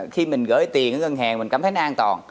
khi mình gửi tiền ngân hàng mình cảm thấy an toàn